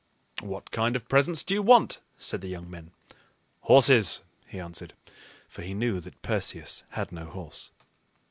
"What kind of presents do you want?" said the young men. "Horses," he answered; for he knew that Perseus had no horse.